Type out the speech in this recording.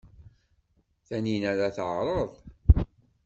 Taninna la tɛerreḍ.